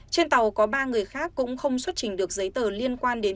trên tàu có ba người khác cũng không xuất trình được giấy tờ liên quan đến